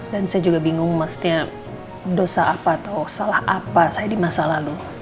dan saya juga bingung maksudnya dosa apa atau salah apa saya di masa lalu